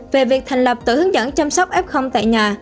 về việc thành lập tổ hướng dẫn chăm sóc f tại nhà